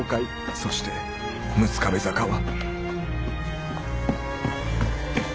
そして六壁坂は。